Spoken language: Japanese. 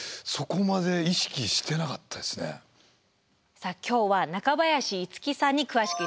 さあ今日は中林一樹さんに詳しくいろいろ伺います。